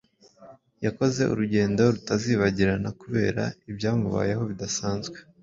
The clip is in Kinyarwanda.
yakoze urugendo rutazibagirana kubera ibyamubayeho bidasanzwe